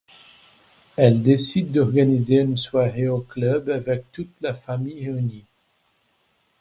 Elle décide d'organiser une soirée au club avec toute la famille réunie.